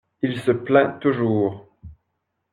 Il se plaint toujours.